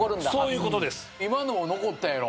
今のも残ったやろ。